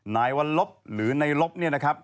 ในวันลบหรือในลบเนี่ยนะครับ